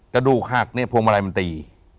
กระดูกหักเนี่ยโพงบะไลมันตี